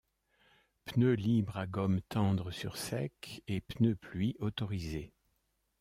Pneus libres à gomme tendre sur sec et pneus pluie autorisés.